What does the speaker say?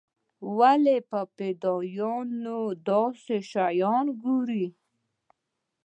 ولې په فدايانو داسې شيان ګوري.